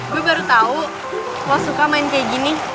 gue baru tahu lo suka main kayak gini